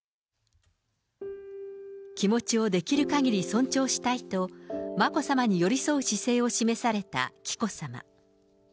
気持ちをできるかぎり尊重したいと、眞子さまに寄り添う姿勢を示された紀子さま。